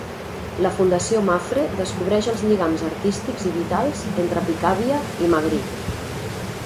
La Fundació Mapfre descobreix els lligams artístics i vitals entre Picabia i Magritte.